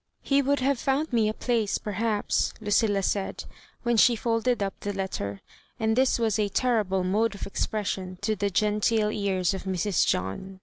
He would have found me a place, perhaps," Lucilla said, when she folded up the letter — and this was a terrible mode of expression to the genteel ears of Mrs. John.